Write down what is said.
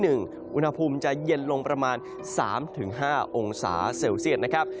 อุณหภูมิจะเย็นลงประมาณ๓๕องศาเซลเซียตนะครับ